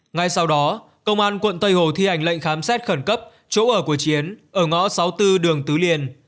ngay sau đó công an quận tây hồ thi hành lệnh khám xét khẩn cấp chỗ ở của chiến ở ngõ sáu mươi bốn đường tứ liên